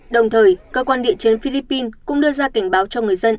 đồng thời cơ quan địa chấn philippines cũng đưa ra cảnh báo cho người dân